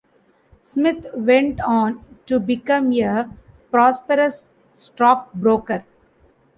Smith went on to become a prosperous stockbroker.